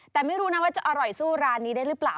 แต่ไม่รู้นะว่าจะอร่อยสู้ร้านนี้ได้หรือเปล่า